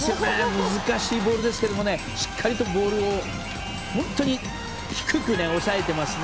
難しいボールですけどしっかりとボールを本当に低く抑えていますね。